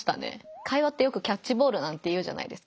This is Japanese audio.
会話ってよくキャッチボールなんて言うじゃないですか。